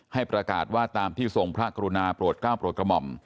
ให้ประกาศว่าตามที่ทรงพระกรุณาโปรดก้าวโปรดกระหม่อม